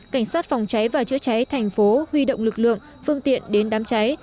cảnh sát phòng cháy và chữa cháy thành phố huy động lực lượng phương tiện đến đám cháy